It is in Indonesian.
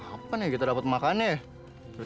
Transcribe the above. apa nih kita dapat makan ya